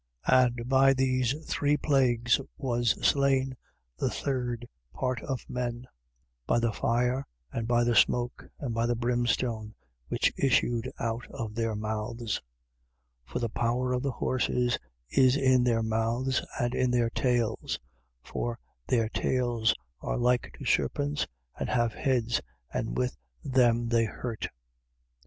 9:18. And by these three plagues was slain the third part of men, by the fire and by the smoke and by the brimstone which issued out of their mouths. 9:19. For the power of the horses is in their mouths and in their tails. For, their tails are like to serpents and have heads: and with them they hurt.